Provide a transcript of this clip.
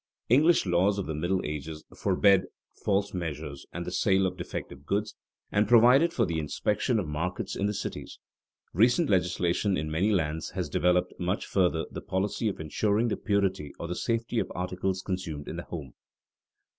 _ English laws of the Middle Ages forbade false measures and the sale of defective goods, and provided for the inspection of markets in the cities. Recent legislation in many lands has developed much further the policy of insuring the purity or the safety of articles consumed in the home.